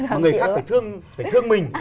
mà người khác phải thương mình